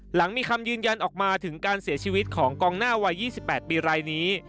หลังมีคำยืนยันออกมาถึงการเสียชีวิตของกองหน้าวัย๒๘ปีรายนี้